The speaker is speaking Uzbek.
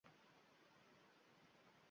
balki qayta-qayta tahrir qilinadi, tuzatiladi.